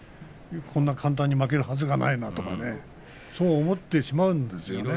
こんなに簡単に負けるはずがないとかねそう思ってしまうんですよね。